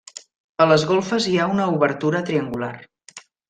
A les golfes hi ha una obertura triangular.